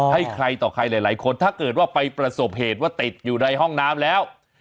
ให้ใครต่อใครหลายคนถ้าเกิดว่าไปประสบเหตุว่าติดอยู่ในห้องน้ำแล้ว